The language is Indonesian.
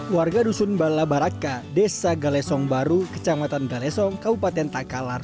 warga dusun balabaraka desa galesong baru kecamatan galesong kabupaten takalar